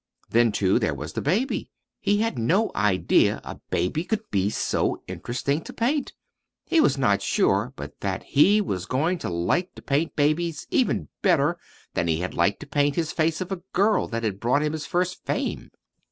Then, too, there was the baby he had no idea a baby could be so interesting to paint. He was not sure but that he was going to like to paint babies even better than he had liked to paint his "Face of a Girl" that had brought him his first fame.